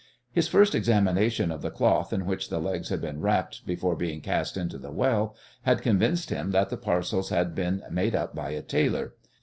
His first examination of the cloth in which the legs had been wrapped before being cast into the well had convinced him that the parcels had been made up by a tailor.